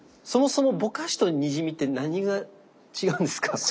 そもそもぼかしとにじみって何が違うんですか？